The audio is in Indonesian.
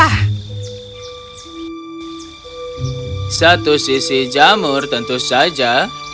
satu sisi jamur tentu saja